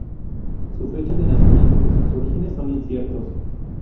Su fecha de nacimiento y sus orígenes son inciertos.